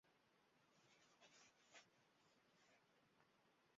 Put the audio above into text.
Grabaron tres álbumes y colocaron unos cuantos temas en recopilatorios.